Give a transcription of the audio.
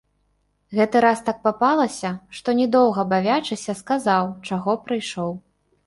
Гэты раз так папалася, што не доўга бавячыся сказаў, чаго прыйшоў.